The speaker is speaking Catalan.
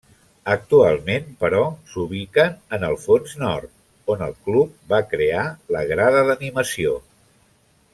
Actualment, però, s'ubiquen en fons nord, on el club va crear la grada d'animació.